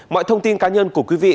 mọi thông tin cá nhân của quý vị